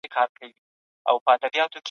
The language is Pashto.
کمپيوټر اپس ښه کوي.